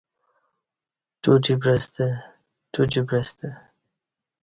ٹوٹی پعستہ ٹوٹی پعستہ